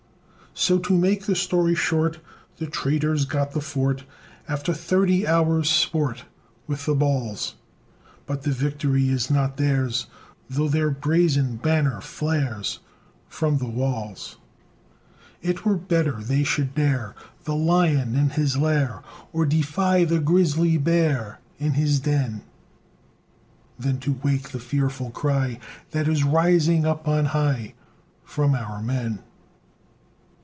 So, to make the story short, The traitors got the fort After thirty hours' sport With the balls; But the victory is not theirs, Though their brazen banner flares From the walls. It were better they should dare The lion in his lair, Or defy the grizzly bear In his den, Than to wake the fearful cry That is rising up on high From our men.